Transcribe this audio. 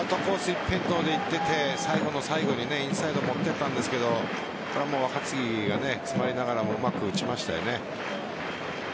一辺倒でいっていて最後の最後にインサイド持っていたんですがこれは若月が詰まりながらもうまく打ちましたよね。